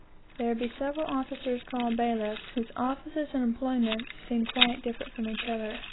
"There be several officers called bailiffs, whose offices and employments seem quite different from each other...